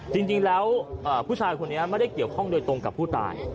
จริงแล้วผู้ชายคนนี้ไม่ได้เกี่ยวข้องโดยตรงกับผู้ตาย